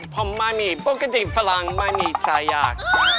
ผมไม่มีพวกกระสิทธิ์ฝรั่งไม่มีถ่ายย่าง